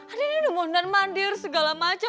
adanya udah mondan mandir segala macam